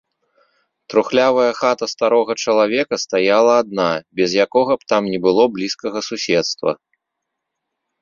Трухлявая хата старога чалавека стаяла адна, без якога б там ні было блізкага суседства.